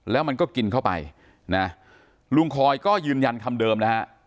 แล้วมันก็กินเข้าไปนะลุงคอยก็ยืนยันคำเดิมนะฮะ